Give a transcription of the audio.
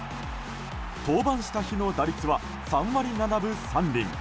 登板した日の打率は３割７分３厘。